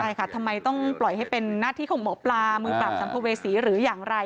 ใช่ค่ะทำไมต้องปล่อยให้เป็นหน้าที่ของหมอปลามือปราบสัมภเวษีหรืออย่างไร